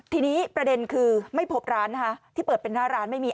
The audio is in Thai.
ทีนี้ประเด็นคือไม่พบร้านนะคะที่เปิดเป็นหน้าร้านไม่มี